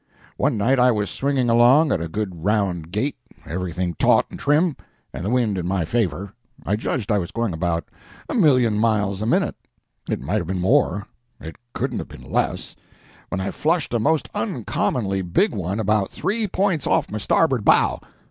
One night I was swinging along at a good round gait, everything taut and trim, and the wind in my favor—I judged I was going about a million miles a minute—it might have been more, it couldn't have been less—when I flushed a most uncommonly big one about three points off my starboard bow.